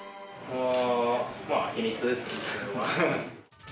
まあ、秘密ですね。